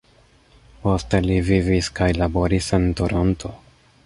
Poste li vivis kaj laboris en Toronto.